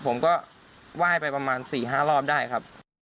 ผมก็ไหว้ไปประมาณ๔๕รอบได้ครับ